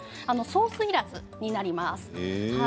ソースいらずになります。